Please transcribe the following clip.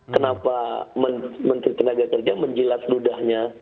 kenapa menteri tenaga kerja menjilat ludahnya